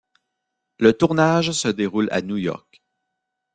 Le tournage se déroule à New York.